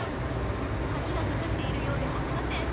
かぎがかかっているようであきません。